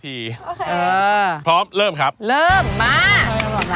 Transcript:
เริ่มครับเริ่มมา